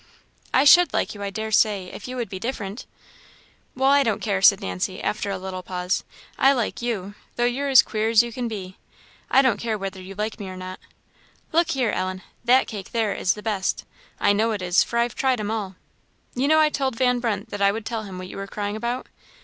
"I should like you, I dare say, if you would be different." "Well, I don't care," said Nancy, after a little pause; "I like you, though you're as queer as you can be. I don't care whether you like me or not. Look here, Ellen, that cake there is the best I know it is, for I've tried 'em all. You know I told Van Brunt that I would tell him what you were crying about?"